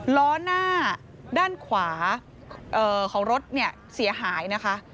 ล้อหน้าด้านขวาของรถเนี่ยเสียหายนะคะ